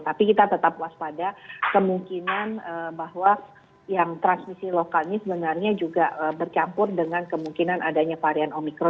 tapi kita tetap waspada kemungkinan bahwa yang transmisi lokal ini sebenarnya juga bercampur dengan kemungkinan adanya varian omikron